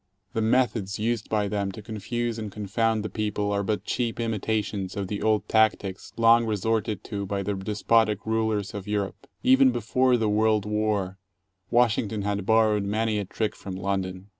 The methods used by them to confuse and confound the people are but cheap imitations of the old tactics long resorted to by the despotic rulers of Europe. Even before the world war Washington had borrowed many a trick from London.